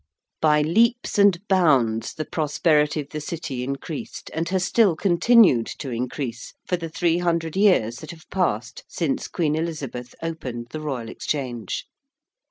'_)] By leaps and bounds the prosperity of the City increased, and has still continued to increase, for the three hundred years that have passed since Queen Elizabeth opened the Royal Exchange.